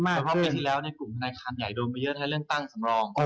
แต่ว่าปีที่แล้วกลุ่มธนาคารใหญ่โดนไปเยอะถ้าเรื่องตั้งสำรอง